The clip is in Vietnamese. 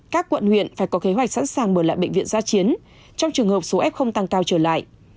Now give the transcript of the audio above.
các quận huyện phải có kế hoạch sẵn sàng mở lại bệnh viện gia chiến trong trường hợp số f tăng cao trở lại